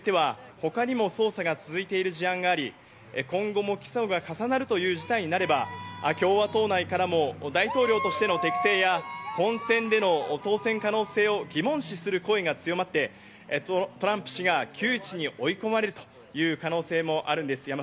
さらにトランプ氏を巡っては、他にも捜査が続いている事案があり、今後も起訴が重なるという事態になれば、共和党内からも大統領としての適性や本選での当選の可能性の疑問視をする声も上がっていて、トランプ氏が窮地に追い込まれるという可能性もあるんです。